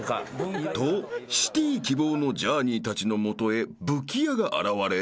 ［とシティ希望のジャーニーたちの元へ武器屋が現れ］